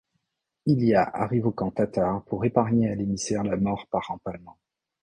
Ilya arrive au camp tatar pour épargner à l'émissaire la mort par empalement.